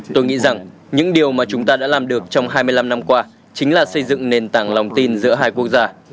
tôi nghĩ rằng những điều mà chúng ta đã làm được trong hai mươi năm năm qua chính là xây dựng nền tảng lòng tin giữa hai quốc gia